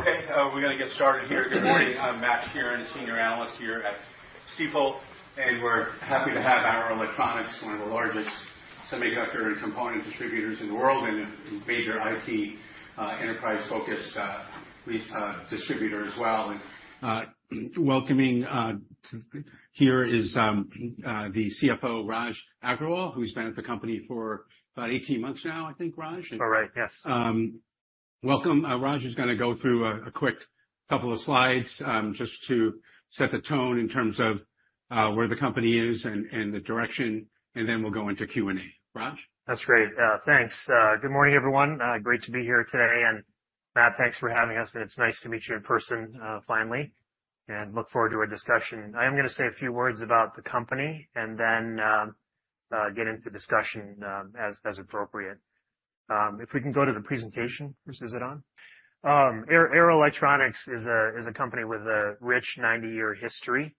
Okay, we're gonna get started here. Good morning, I'm Matt Sheerin, Senior Analyst here at Stifel, and we're happy to have Arrow Electronics, one of the largest semiconductor and component distributors in the world, and a major IT enterprise-focused ECS distributor as well. Welcoming here is the CFO, Raj Agrawal, who's been at the company for about 18 months now, I think, Raj? Correct, yes. Welcome. Raj is gonna go through a quick couple of slides, just to set the tone in terms of where the company is and the direction, and then we'll go into Q&A. Raj? That's great. Thanks. Good morning, everyone. Great to be here today, and Matt, thanks for having us, and it's nice to meet you in person, finally, and look forward to our discussion. I am gonna say a few words about the company, and then get into discussion, as appropriate. If we can go to the presentation. Is it on? Arrow Electronics is a company with a rich 90-year history,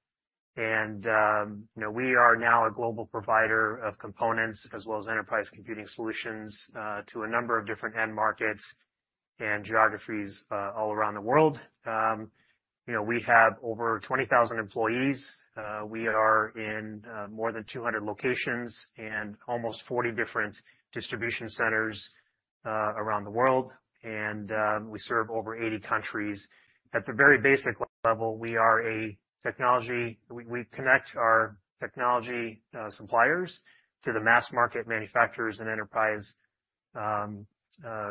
and, you know, we are now a global provider of components as well as enterprise computing solutions, to a number of different end markets and geographies, all around the world. You know, we have over 20,000 employees. We are in more than 200 locations and almost 40 different distribution centers around the world, and we serve over 80 countries. At the very basic level, we are a technology. We connect our technology suppliers to the mass market manufacturers and enterprise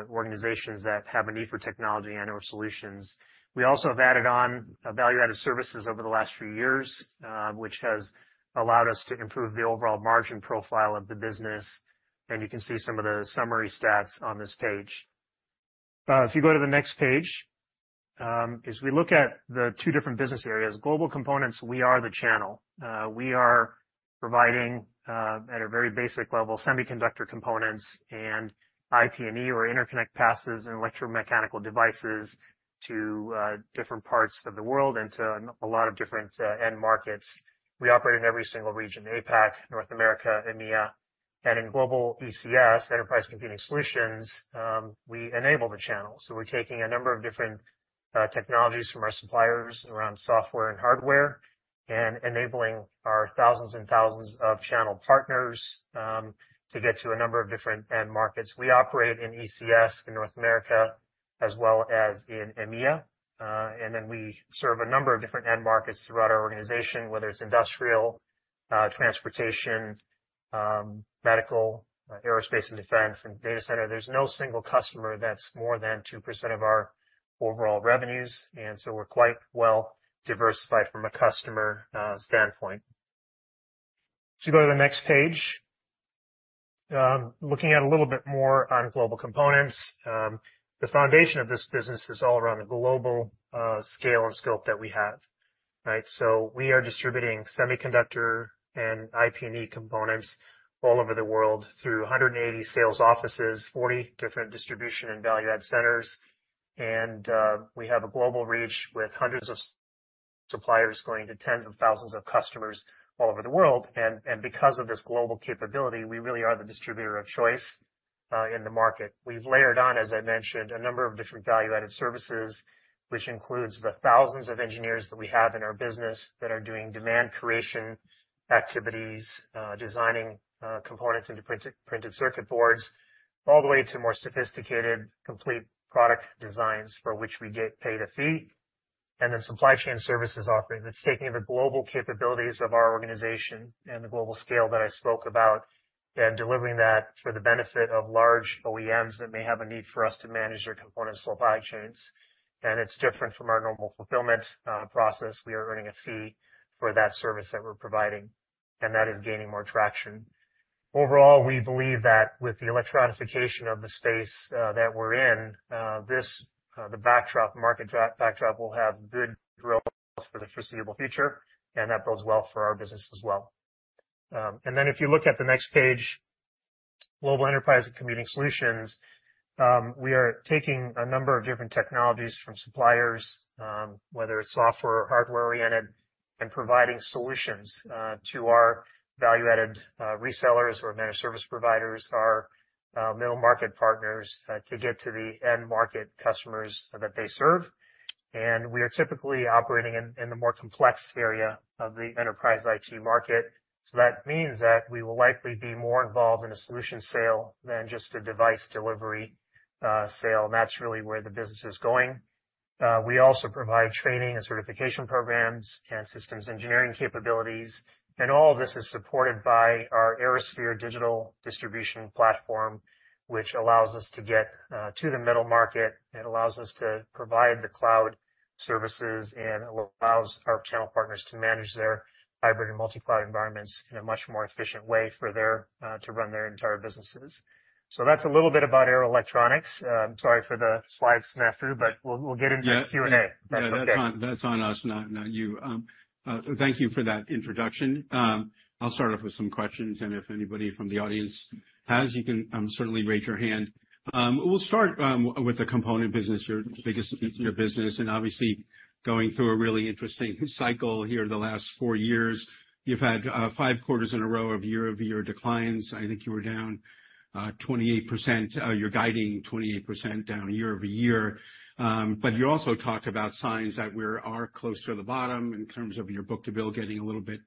organizations that have a need for technology and/or solutions. We also have added on a value-added services over the last few years, which has allowed us to improve the overall margin profile of the business, and you can see some of the summary stats on this page. If you go to the next page, as we look at the two different business areas, Global Components, we are the channel. We are providing, at a very basic level, semiconductor components and IP&E, or interconnect, passives, and electromechanical devices to different parts of the world and to a lot of different end markets. We operate in every single region, APAC, North America, EMEA. In Global ECS, Enterprise Computing Solutions, we enable the channel, so we're taking a number of different technologies from our suppliers around software and hardware, and enabling our thousands and thousands of channel partners to get to a number of different end markets. We operate in ECS, in North America, as well as in EMEA, and then we serve a number of different end markets throughout our organization, whether it's industrial, transportation, medical, aerospace and defense, and data center. There's no single customer that's more than 2% of our overall revenues, and so we're quite well diversified from a customer standpoint. If you go to the next page, looking at a little bit more on Global Components, the foundation of this business is all around the global scale and scope that we have, right? So we are distributing semiconductor and IP&E components all over the world through 180 sales offices, 40 different distribution and value-added centers, and we have a global reach with hundreds of suppliers going to tens of thousands of customers all over the world. Because of this global capability, we really are the distributor of choice in the market. We've layered on, as I mentioned, a number of different value-added services, which includes the thousands of engineers that we have in our business that are doing demand creation activities, designing components into printed circuit boards, all the way to more sophisticated, complete product designs for which we get paid a fee, and then supply chain services offerings. It's taking the global capabilities of our organization and the global scale that I spoke about, and delivering that for the benefit of large OEMs that may have a need for us to manage their component supply chains. It's different from our normal fulfillment process. We are earning a fee for that service that we're providing, and that is gaining more traction. Overall, we believe that with the electronification of the space that we're in, the backdrop will have good growth for the foreseeable future, and that bodes well for our business as well. And then if you look at the next page, Global Enterprise Computing Solutions, we are taking a number of different technologies from suppliers, whether it's software or hardware-oriented, and providing solutions to our value-added resellers or managed service providers, our middle market partners, to get to the end market customers that they serve. And we are typically operating in the more complex area of the enterprise IT market. So that means that we will likely be more involved in a solution sale than just a device delivery sale, and that's really where the business is going. We also provide training and certification programs and systems engineering capabilities, and all of this is supported by our ArrowSphere digital distribution platform, which allows us to get to the middle market. It allows us to provide the cloud services, and it allows our channel partners to manage their hybrid and multi-cloud environments in a much more efficient way for their to run their entire businesses. So that's a little bit about Arrow Electronics. I'm sorry for the slide snafu, but we'll, we'll get into the Q&A. Yeah, that's on us, not you. Thank you for that introduction. I'll start off with some questions, and if anybody from the audience has, you can certainly raise your hand. We'll start with the component business, your biggest business, and obviously going through a really interesting cycle here in the last four years. You've had five quarters in a row of year-over-year declines. I think you were down 28%. You're guiding 28% down year-over-year. But you also talk about signs that we are closer to the bottom in terms of your book-to-bill getting a little bit,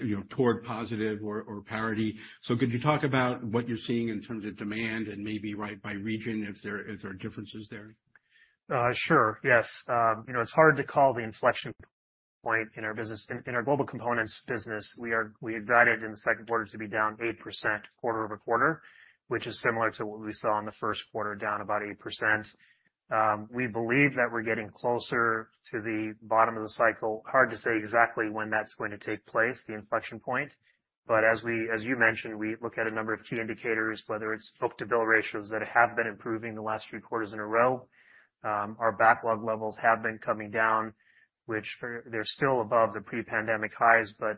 you know, toward positive or parity. So could you talk about what you're seeing in terms of demand and maybe right by region, if there are differences there? Sure. Yes. You know, it's hard to call the inflection point in our business. In our Global Components business, we had guided in the second quarter to be down 8% quarter-over-quarter, which is similar to what we saw in the first quarter, down about 8%. We believe that we're getting closer to the bottom of the cycle. Hard to say exactly when that's going to take place, the inflection point, but as you mentioned, we look at a number of key indicators, whether it's book-to-bill ratios that have been improving the last three quarters in a row. Our backlog levels have been coming down, which they're still above the pre-pandemic highs, but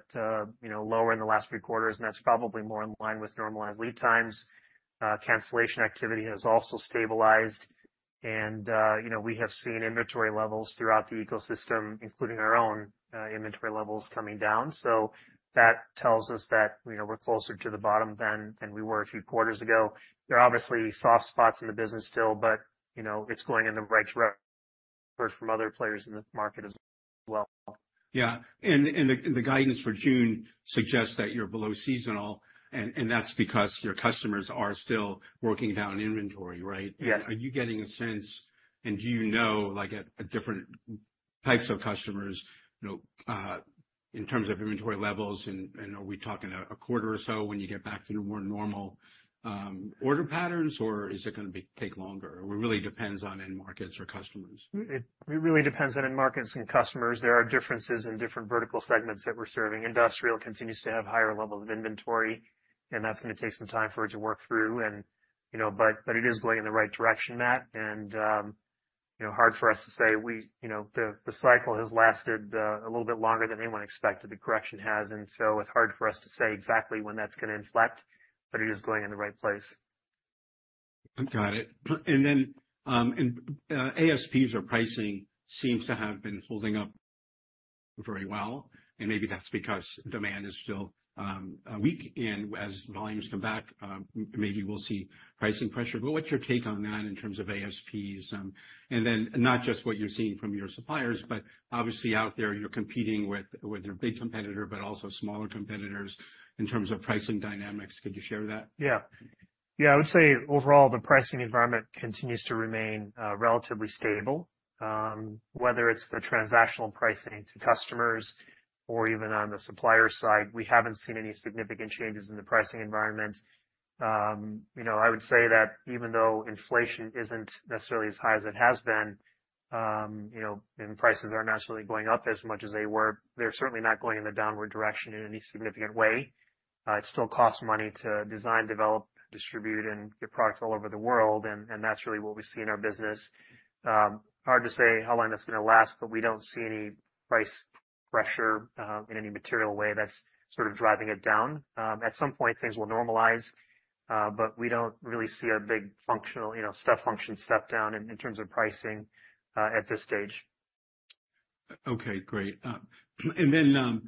you know, lower in the last three quarters, and that's probably more in line with normalized lead times. Cancellation activity has also stabilized, and, you know, we have seen inventory levels throughout the ecosystem, including our own, inventory levels coming down. So that tells us that, you know, we're closer to the bottom than we were a few quarters ago. There are obviously soft spots in the business still, but, you know, it's going in the right direction from other players in the market as well. Yeah. And the guidance for June suggests that you're below seasonal, and that's because your customers are still working down inventory, right? Yes. Are you getting a sense, and do you know, like, at different types of customers, you know, in terms of inventory levels, and, and are we talking a quarter or so when you get back to the more normal, order patterns, or is it gonna take longer? Or it really depends on end markets or customers. It really depends on end markets and customers. There are differences in different vertical segments that we're serving. Industrial continues to have higher levels of inventory, and that's gonna take some time for it to work through, and, you know. But it is going in the right direction, Matt, and, you know, hard for us to say. We, you know, the cycle has lasted a little bit longer than anyone expected, the correction has, and so it's hard for us to say exactly when that's gonna inflect, but it is going in the right place. Got it. And then, ASPs or pricing seems to have been holding up very well, and maybe that's because demand is still weak, and as volumes come back, maybe we'll see pricing pressure. But what's your take on that in terms of ASPs? And then not just what you're seeing from your suppliers, but obviously out there, you're competing with your big competitor, but also smaller competitors in terms of pricing dynamics. Could you share that? Yeah. Yeah, I would say overall, the pricing environment continues to remain relatively stable. Whether it's the transactional pricing to customers or even on the supplier side, we haven't seen any significant changes in the pricing environment. You know, I would say that even though inflation isn't necessarily as high as it has been, you know, and prices aren't necessarily going up as much as they were, they're certainly not going in a downward direction in any significant way. It still costs money to design, develop, distribute, and get product all over the world, and that's really what we see in our business. Hard to say how long that's gonna last, but we don't see any price pressure in any material way that's sort of driving it down. At some point, things will normalize, but we don't really see a big functional, you know, step function, step down in terms of pricing, at this stage. Okay, great. And then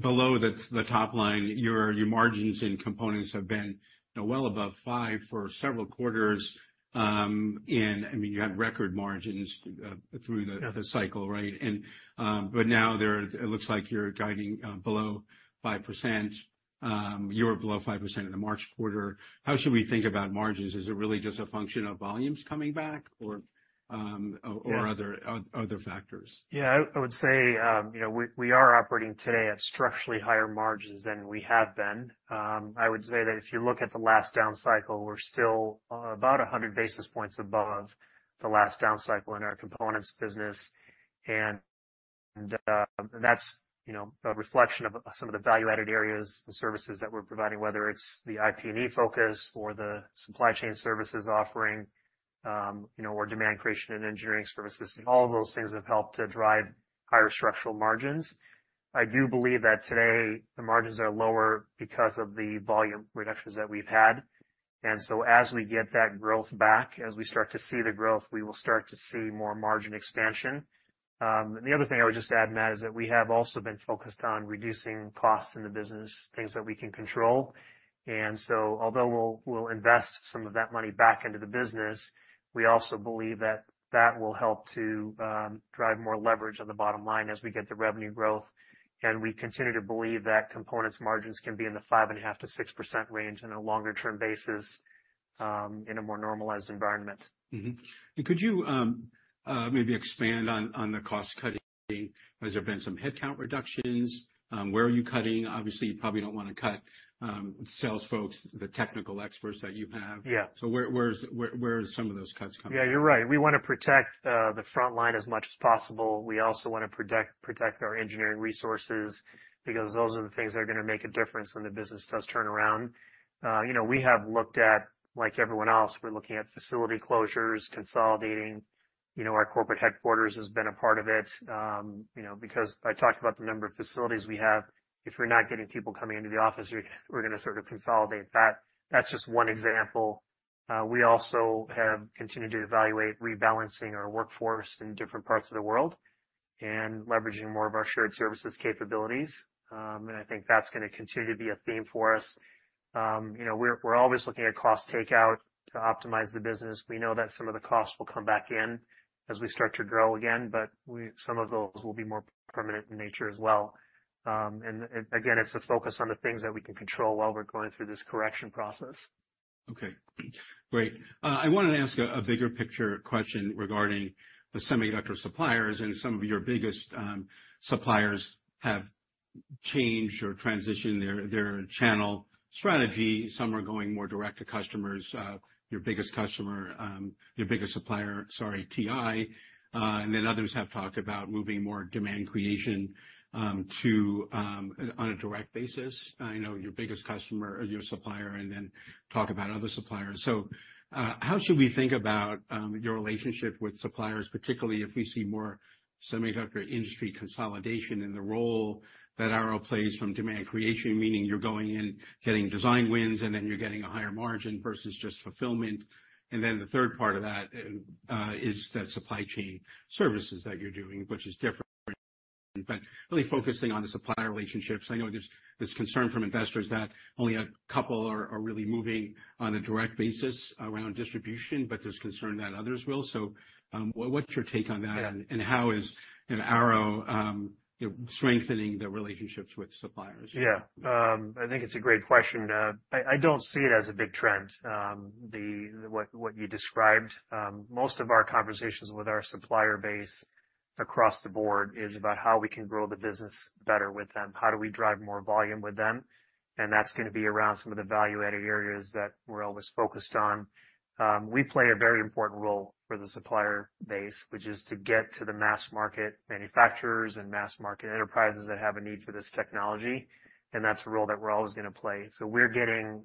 below the top line, your margins in components have been, you know, well above five for several quarters, and I mean, you had record margins through the cycle, right? But now there, it looks like you're guiding below 5%. You were below 5% in the March quarter. How should we think about margins? Is it really just a function of volumes coming back or other factors? Yeah, I would say, you know, we are operating today at structurally higher margins than we have been. I would say that if you look at the last down cycle, we're still about 100 basis points above the last down cycle in our components business. And that's, you know, a reflection of some of the value-added areas and services that we're providing, whether it's the IP&E focus or the supply chain services offering, you know, or demand creation and engineering services. And all of those things have helped to drive higher structural margins. I do believe that today, the margins are lower because of the volume reductions that we've had. And so as we get that growth back, as we start to see the growth, we will start to see more margin expansion. The other thing I would just add, Matt, is that we have also been focused on reducing costs in the business, things that we can control. And so although we'll invest some of that money back into the business, we also believe that that will help to drive more leverage on the bottom line as we get the revenue growth. And we continue to believe that components margins can be in the 5.5%-6% range on a longer term basis, in a more normalized environment. Mm-hmm. And could you maybe expand on the cost cutting? Has there been some headcount reductions? Where are you cutting? Obviously, you probably don't wanna cut sales folks, the technical experts that you have. Yeah. So where are some of those cuts coming? Yeah, you're right. We wanna protect the frontline as much as possible. We also wanna protect our engineering resources, because those are the things that are gonna make a difference when the business does turn around. You know, we have looked at, like everyone else, we're looking at facility closures, consolidating. You know, our corporate headquarters has been a part of it, you know, because I talked about the number of facilities we have. If we're not getting people coming into the office, we're gonna sort of consolidate. That's just one example. We also have continued to evaluate rebalancing our workforce in different parts of the world and leveraging more of our shared services capabilities. And I think that's gonna continue to be a theme for us. You know, we're always looking at cost takeout to optimize the business. We know that some of the costs will come back in as we start to grow again, but some of those will be more permanent in nature as well. And again, it's a focus on the things that we can control while we're going through this correction process. Okay, great. I wanted to ask a bigger picture question regarding the semiconductor suppliers, and some of your biggest suppliers have changed or transitioned their channel strategy. Some are going more direct to customers. Your biggest customer, your biggest supplier, sorry, TI, and then others have talked about moving more demand creation to on a direct basis. I know your biggest customer or your supplier, and then talk about other suppliers. So, how should we think about your relationship with suppliers, particularly if we see more semiconductor industry consolidation and the role that Arrow plays from demand creation, meaning you're going in, getting design wins, and then you're getting a higher margin versus just fulfillment? And then the third part of that is that supply chain services that you're doing, which is different, but really focusing on the supplier relationships. I know there's this concern from investors that only a couple are really moving on a direct basis around distribution, but there's concern that others will. So, what's your take on that? Yeah. And how is, you know, Arrow, you know, strengthening the relationships with suppliers? Yeah. I think it's a great question. I don't see it as a big trend, what you described. Most of our conversations with our supplier base across the board is about how we can grow the business better with them, how do we drive more volume with them? And that's gonna be around some of the value-added areas that we're always focused on. We play a very important role for the supplier base, which is to get to the mass market manufacturers and mass market enterprises that have a need for this technology, and that's a role that we're always gonna play. So we're getting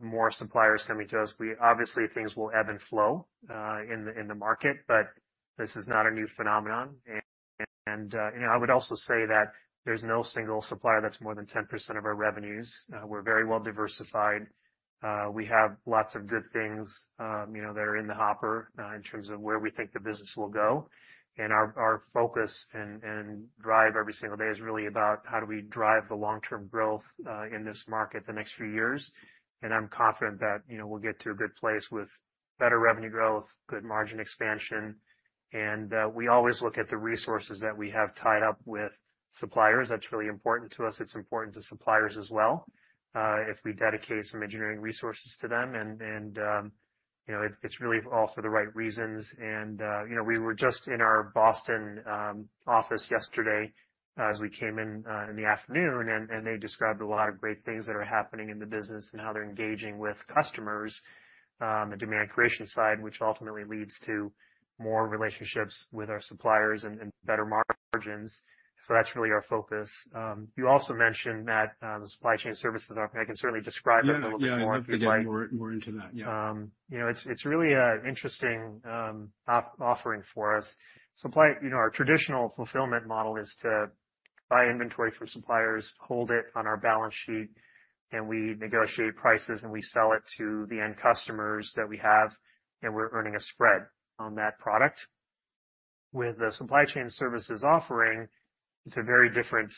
more suppliers coming to us. Obviously, things will ebb and flow in the market, but this is not a new phenomenon. And, you know, I would also say that there's no single supplier that's more than 10% of our revenues. We're very well diversified. We have lots of good things, you know, that are in the hopper, in terms of where we think the business will go. And our focus and drive every single day is really about how do we drive the long-term growth in this market the next few years? And I'm confident that, you know, we'll get to a good place with better revenue growth, good margin expansion, and we always look at the resources that we have tied up with suppliers. That's really important to us. It's important to suppliers as well, if we dedicate some engineering resources to them, and you know, it's really all for the right reasons. And, you know, we were just in our Boston office yesterday as we came in, in the afternoon, and they described a lot of great things that are happening in the business and how they're engaging with customers, the demand creation side, which ultimately leads to more relationships with our suppliers and better margins. So that's really our focus. You also mentioned that, the supply chain services are -- I can certainly describe it a little bit more, if you'd like. Yeah, more, more into that, yeah. You know, it's really an interesting offering for us. You know, our traditional fulfillment model is to buy inventory from suppliers, hold it on our balance sheet, and we negotiate prices, and we sell it to the end customers that we have, and we're earning a spread on that product. With the supply chain services offering, it's a very different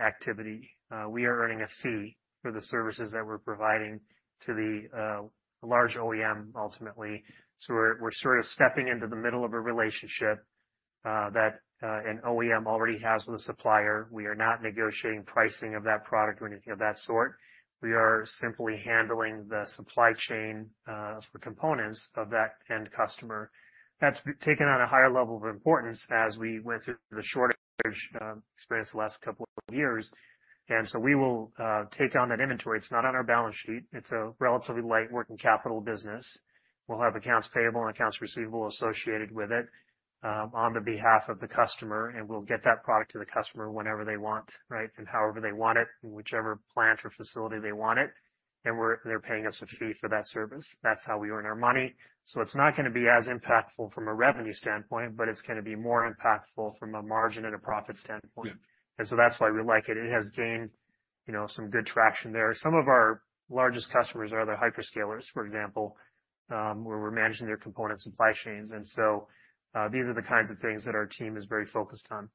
activity. We are earning a fee for the services that we're providing to the large OEM, ultimately. So we're sort of stepping into the middle of a relationship that an OEM already has with a supplier. We are not negotiating pricing of that product or anything of that sort. We are simply handling the supply chain for components of that end customer. That's taken on a higher level of importance as we went through the shortage experience the last couple of years, and so we will take on that inventory. It's not on our balance sheet. It's a relatively light working capital business. We'll have accounts payable and accounts receivable associated with it on behalf of the customer, and we'll get that product to the customer whenever they want, right? And however they want it, in whichever plant or facility they want it, and they're paying us a fee for that service. That's how we earn our money. So it's not gonna be as impactful from a revenue standpoint, but it's gonna be more impactful from a margin and a profit standpoint. Yeah. That's why we like it. It has gained, you know, some good traction there. Some of our largest customers are the hyperscalers, for example, where we're managing their component supply chains. These are the kinds of things that our team is very focused on.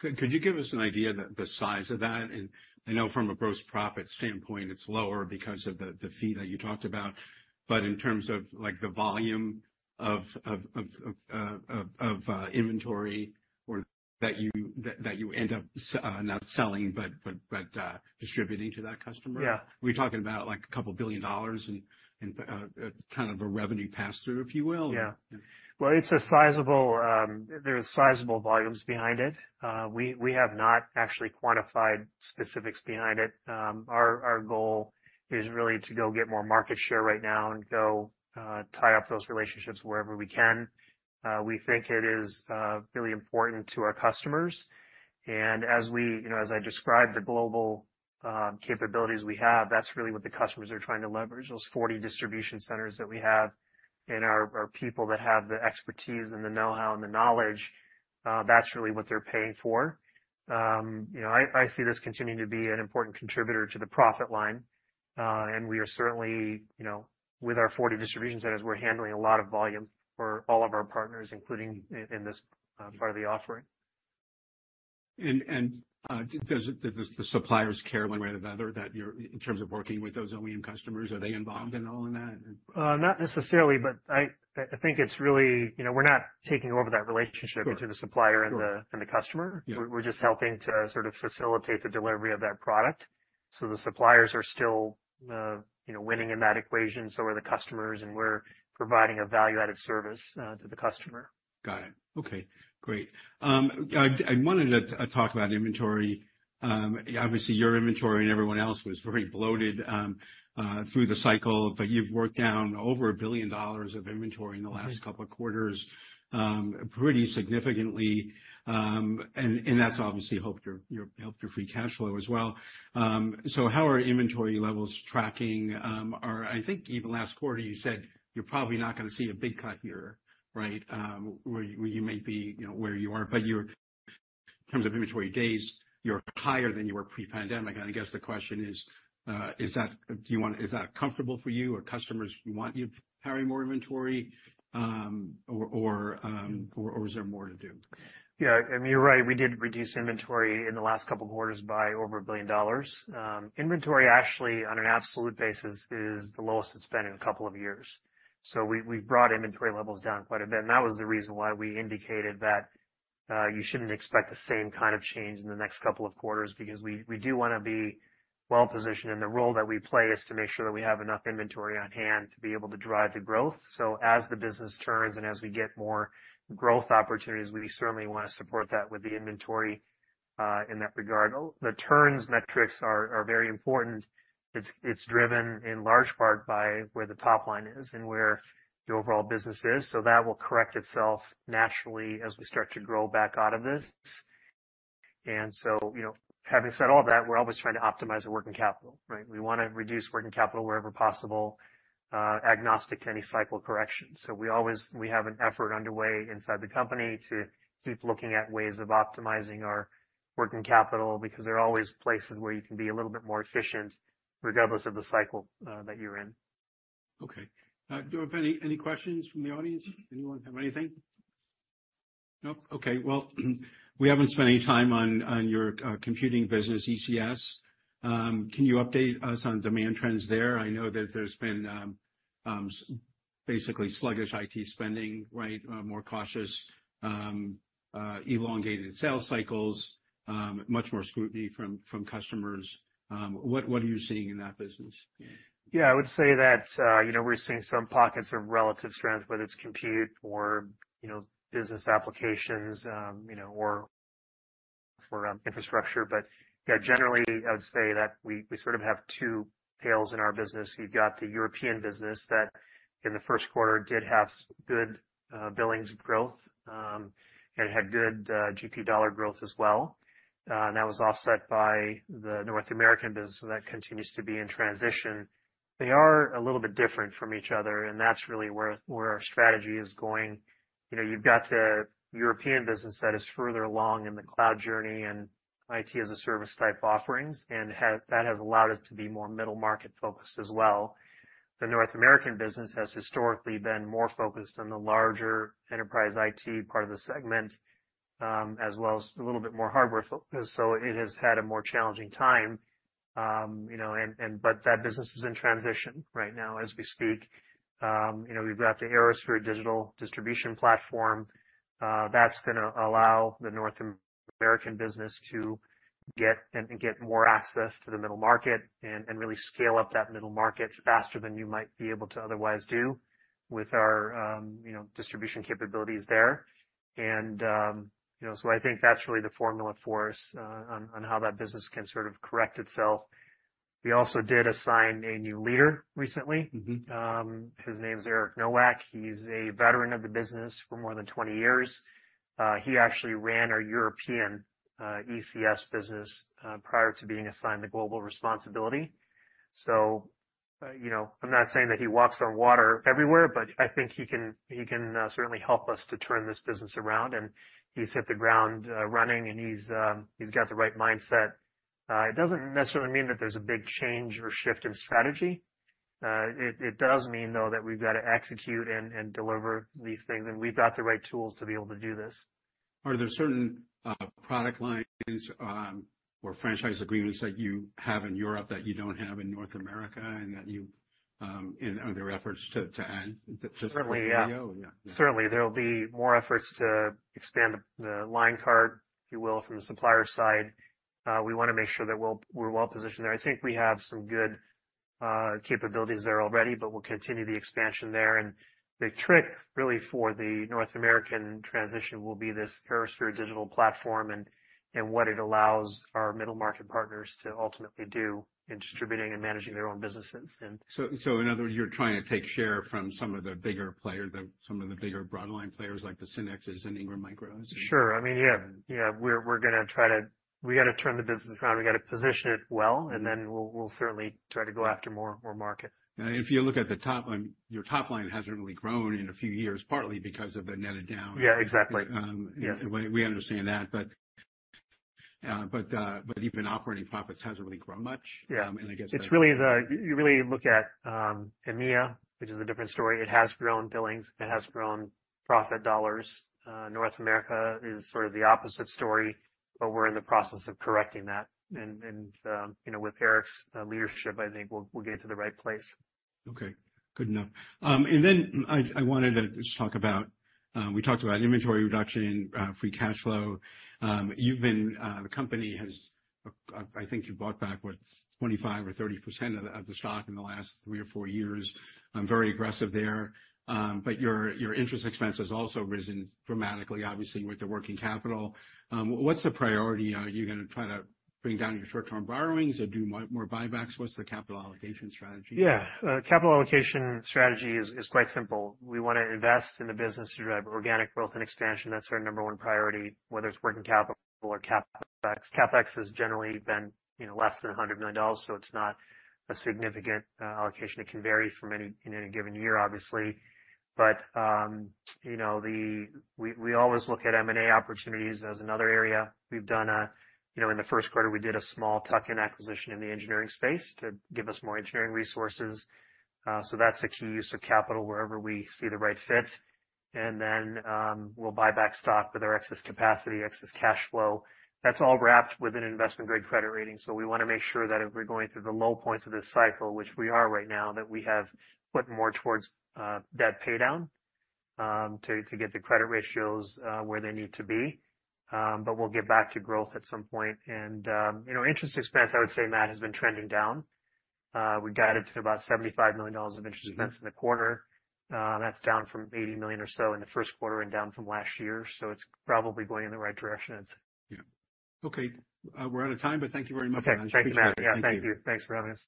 Good. Could you give us an idea, the size of that? And I know from a gross profit standpoint, it's lower because of the fee that you talked about, but in terms of, like, the volume of inventory or that you end up not selling, but distributing to that customer? Yeah. Are we talking about, like, $2 billion and kind of a revenue pass-through, if you will? Yeah. Well, it's a sizable. There's sizable volumes behind it. We have not actually quantified specifics behind it. Our goal is really to go get more market share right now and go tie up those relationships wherever we can. We think it is really important to our customers, and as we, you know, as I described, the global capabilities we have, that's really what the customers are trying to leverage, those 40 distribution centers that we have and our people that have the expertise and the know-how and the knowledge, that's really what they're paying for. You know, I see this continuing to be an important contributor to the profit line, and we are certainly, you know, with our 40 distribution centers, we're handling a lot of volume for all of our partners, including in this part of the offering. Does the suppliers care one way or the other that you're in terms of working with those OEM customers? Are they involved in all of that? Not necessarily, but I think it's really, you know, we're not taking over that relationship between the supplier and the customer. Yeah. We're just helping to sort of facilitate the delivery of that product. So the suppliers are still, you know, winning in that equation, so are the customers, and we're providing a value-added service to the customer. Got it. Okay, great. I wanted to talk about inventory. Obviously, your inventory and everyone else was very bloated through the cycle, but you've worked down over $1 billion of inventory- Mm-hmm. In the last couple of quarters, pretty significantly. And that's obviously helped your free cash flow as well. So how are inventory levels tracking? I think even last quarter, you said you're probably not gonna see a big cut here, right? Where you might be, you know, where you are, but you're, in terms of inventory days, you're higher than you were pre-pandemic. And I guess the question is, is that comfortable for you or customers want you carrying more inventory, or, or, or is there more to do? Yeah, I mean, you're right. We did reduce inventory in the last couple of quarters by over $1 billion. Inventory, actually, on an absolute basis, is the lowest it's been in a couple of years. So we, we've brought inventory levels down quite a bit, and that was the reason why we indicated that, you shouldn't expect the same kind of change in the next couple of quarters, because we, we do wanna be well-positioned, and the role that we play is to make sure that we have enough inventory on hand to be able to drive the growth. So as the business turns and as we get more growth opportunities, we certainly wanna support that with the inventory, in that regard. The turns metrics are, are very important. It's driven in large part by where the top line is and where the overall business is, so that will correct itself naturally as we start to grow back out of this. And so, you know, having said all that, we're always trying to optimize the working capital, right? We wanna reduce working capital wherever possible, agnostic to any cycle corrections. So we always have an effort underway inside the company to keep looking at ways of optimizing our working capital, because there are always places where you can be a little bit more efficient, regardless of the cycle that you're in. Okay. Do you have any questions from the audience? Anyone have anything? Nope. Okay. Well, we haven't spent any time on your computing business, ECS. Can you update us on demand trends there? I know that there's been basically sluggish IT spending, right? More cautious, elongated sales cycles, much more scrutiny from customers. What are you seeing in that business? Yeah, I would say that, you know, we're seeing some pockets of relative strength, whether it's compute or, you know, business applications, you know, or for, infrastructure. But yeah, generally, I would say that we sort of have two tails in our business. You've got the European business that, in the first quarter, did have good billings growth, and had good GP dollar growth as well. And that was offset by the North American business, so that continues to be in transition. They are a little bit different from each other, and that's really where our strategy is going. You know, you've got the European business that is further along in the cloud journey and IT-as-a-service type offerings, and has that has allowed us to be more middle market focused as well. The North American business has historically been more focused on the larger enterprise IT part of the segment, as well as a little bit more hardware so it has had a more challenging time. You know, but that business is in transition right now as we speak. You know, we've got the ArrowSphere digital distribution platform. That's gonna allow the North American business to get more access to the middle market and really scale up that middle market faster than you might be able to otherwise do with our, you know, distribution capabilities there. And, you know, so I think that's really the formula for us, on how that business can sort of correct itself. We also did assign a new leader recently. Mm-hmm. His name is Eric Nowak. He's a veteran of the business for more than 20 years. He actually ran our European ECS business prior to being assigned the global responsibility. So, you know, I'm not saying that he walks on water everywhere, but I think he can certainly help us to turn this business around, and he's hit the ground running, and he's got the right mindset. It doesn't necessarily mean that there's a big change or shift in strategy. It does mean, though, that we've got to execute and deliver these things, and we've got the right tools to be able to do this. Are there certain product lines or franchise agreements that you have in Europe that you don't have in North America, and are there efforts to add? Certainly, yeah. Yeah. Certainly, there will be more efforts to expand the line card, if you will, from the supplier side. We wanna make sure that we're well positioned there. I think we have some good capabilities there already, but we'll continue the expansion there. And the trick, really, for the North American transition will be this ArrowSphere digital platform and what it allows our middle market partners to ultimately do in distributing and managing their own businesses and- So, in other words, you're trying to take share from some of the bigger players, some of the bigger broad line players, like the Synnex and Ingram Micro? Sure. I mean, yeah, yeah, we're gonna try to - we gotta turn the business around. We gotta position it well- Mm-hmm. and then we'll certainly try to go after more market. If you look at the top line, your top line hasn't really grown in a few years, partly because of the netted down. Yeah, exactly. We understand that. But even operating profits hasn't really grown much. Yeah. and I guess- It's really the... You really look at EMEA, which is a different story. It has grown billings, it has grown profit dollars. North America is sort of the opposite story, but we're in the process of correcting that. And you know, with Eric's leadership, I think we'll get to the right place. Okay, good enough. And then I wanted to just talk about, we talked about inventory reduction, free cash flow. You've been, the company has, I think you bought back, what? 25%-30% of the stock in the last three or four years. Very aggressive there. But your interest expense has also risen dramatically, obviously, with the working capital. What's the priority? Are you gonna try to bring down your short-term borrowings or do more buybacks? What's the capital allocation strategy? Yeah. Capital allocation strategy is quite simple. We wanna invest in the business to drive organic growth and expansion. That's our number one priority, whether it's working capital or CapEx. CapEx has generally been, you know, less than $100 million, so it's not a significant allocation. It can vary in any given year, obviously. But, you know, we always look at M&A opportunities as another area. We've done a, you know, in the first quarter, we did a small tuck-in acquisition in the engineering space to give us more engineering resources. So that's a key use of capital, wherever we see the right fit. And then, we'll buy back stock with our excess capacity, excess cash flow. That's all wrapped with an investment-grade credit rating, so we wanna make sure that if we're going through the low points of this cycle, which we are right now, that we have put more towards debt paydown to get the credit ratios where they need to be. But we'll get back to growth at some point. And, you know, interest expense, I would say, Matt, has been trending down. We guided to about $75 million of interest expense in the quarter. That's down from $80 million or so in the first quarter and down from last year, so it's probably going in the right direction. Yeah. Okay, we're out of time, but thank you very much. Okay. Thank you, Matt. Appreciate it. Yeah, thank you. Thanks for having us.